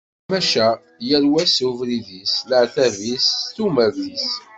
Maca yal wa s ubrid-is, s leɛtab-is, d tumert-is.